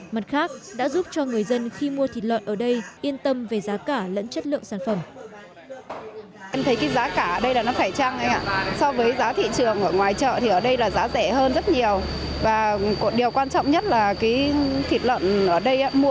mặt khác đã giúp cho người dân khi mua thịt lợn ở đây yên tâm về giá cả lẫn chất lượng sản phẩm